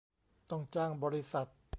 ต้องจ้างบริษัท